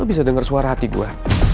lo bisa denger suara hati gue